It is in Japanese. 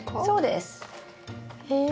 そうです。え？